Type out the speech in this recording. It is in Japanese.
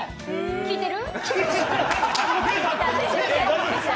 聞いてる？